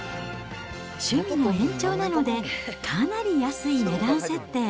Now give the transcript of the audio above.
趣味の延長なので、かなり安い値段設定。